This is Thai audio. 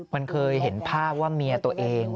มันเคยเห็นภาพว่าเมียตัวเอง